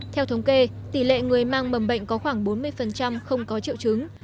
theo thống kê tỷ lệ người mang mầm bệnh có khoảng bốn mươi không có triệu chứng